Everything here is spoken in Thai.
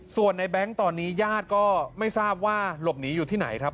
ส่วนในแบงค์ตอนนี้ญาติก็ไม่ทราบว่าหลบหนีอยู่ที่ไหนครับ